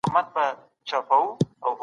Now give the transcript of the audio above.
حقوق او واجبات سره تړلي دي.